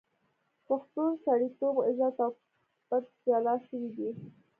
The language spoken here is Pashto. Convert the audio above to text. پښتون سړیتوب، عزت او پت جلا شوی دی.